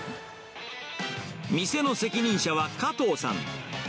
店の責任者は加藤さん。